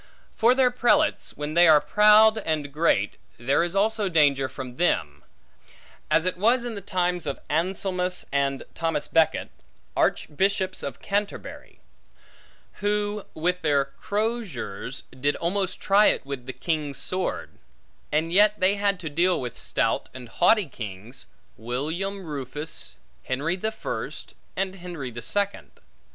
For their prelates; when they are proud and great, there is also danger from them; as it was in the times of Anselmus, and Thomas Becket, Archbishops of Canterbury; who, with their croziers, did almost try it with the king's sword; and yet they had to deal with stout and haughty kings, William Rufus, Henry the First, and Henry the Second.